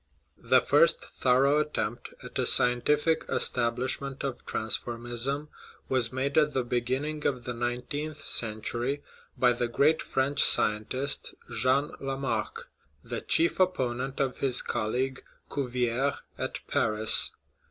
The first thorough attempt at a scientific establish ment of transformism was made at the beginning of the nineteenth century by the great French scientist Jean Lamarck, the chief opponent of his colleague, Cuvier, at Paris.